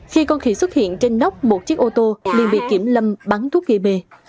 khi con khỉ xuất hiện trên nóc một chiếc ô tô liền bị kiểm lâm bắn thuốc gây mê